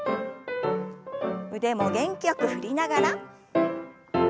腕も元気よく振りながら。